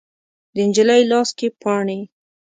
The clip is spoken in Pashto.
د نجلۍ لاس کې پاڼې